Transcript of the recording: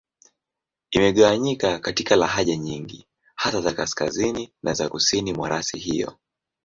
Imegawanyika katika lahaja nyingi, hasa za Kaskazini na za Kusini mwa rasi hiyo.